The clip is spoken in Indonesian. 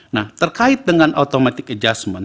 nah terkait dengan automatic adjustment